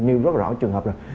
nhiều rất rõ trường hợp